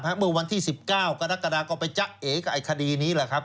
เมื่อวันที่๑๙กรกฎาก็ไปจ๊ะเอกับไอ้คดีนี้แหละครับ